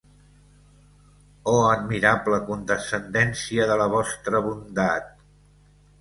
Oh admirable condescendència de la vostra bondat!